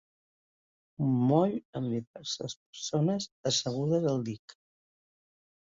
Un moll amb diverses persones assegudes al dic.